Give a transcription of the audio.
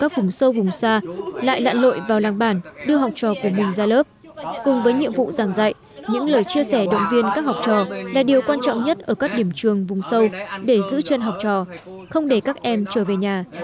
các vùng sâu vùng xa lại lạn lội vào làng bản đưa học trò của mình ra lớp cùng với nhiệm vụ giảng dạy những lời chia sẻ động viên các học trò là điều quan trọng nhất ở các điểm trường vùng sâu để giữ chân học trò không để các em trở về nhà